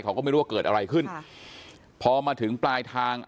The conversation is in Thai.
เขาก็ไม่รู้ว่าเกิดอะไรขึ้นพอมาถึงปลายทาง